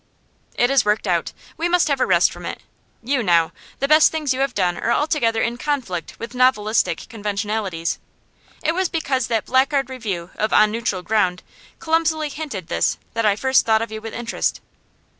'It is worked out. We must have a rest from it. You, now the best things you have done are altogether in conflict with novelistic conventionalities. It was because that blackguard review of "On Neutral Ground" clumsily hinted this that I first thought of you with interest.